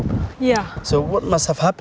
khỏi đoàn của cô ấy